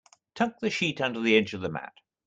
Tuck the sheet under the edge of the mat.